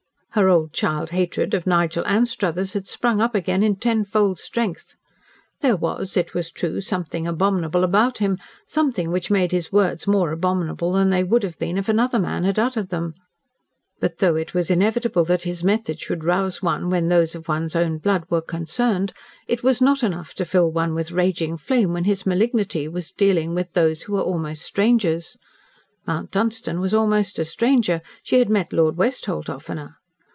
Her old child hatred of Nigel Anstruthers had sprung up again in ten fold strength. There was, it was true, something abominable about him, something which made his words more abominable than they would have been if another man had uttered them but, though it was inevitable that his method should rouse one, where those of one's own blood were concerned, it was not enough to fill one with raging flame when his malignity was dealing with those who were almost strangers. Mount Dunstan was almost a stranger she had met Lord Westholt oftener.